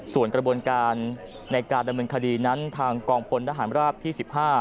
ส่วนกระบวนการในการดำเนินคดีนั้นทางกองพลทหารราบที่๑๕